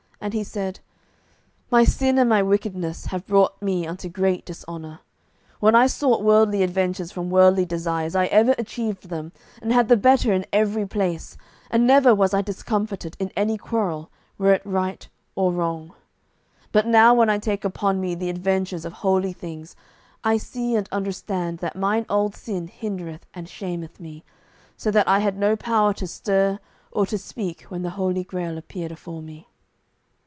And he said: "My sin and my wickedness have brought me unto great dishonour. When I sought worldly adventures from worldly desires, I ever achieved them, and had the better in every place, and never was I discomfited in any quarrel, were it right or wrong. But now when I take upon me the adventures of holy things, I see and understand that mine old sin hindereth and shameth me, so that I had no power to stir or to speak when the Holy Grail appeared afore me."